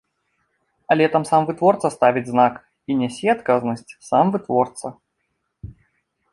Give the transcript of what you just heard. Але там сам вытворца ставіць знак і нясе адказнасць сам вытворца.